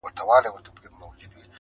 دصدقېجاريېزوردیتردېحدهپورې,